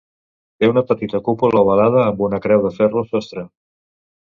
Té una petita cúpula ovalada amb una creu de ferro al sostre.